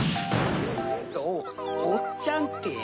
おっちゃんって。